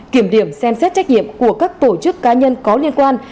kiểm điểm xem xét trách nhiệm của các tổ chức cá nhân có liên quan